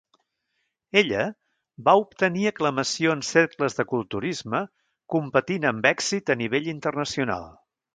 Ella va obtenir aclamació en cercles de culturisme competint amb èxit a nivell internacional.